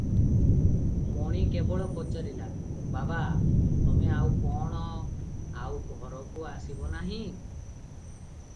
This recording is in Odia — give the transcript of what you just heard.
ମଣି କେବଳ ପଚାରିଲା "ବାବା! ତମେ ଆଉ କଣ ଆଉ ଘରକୁ ଆସିବ ନାହିଁ?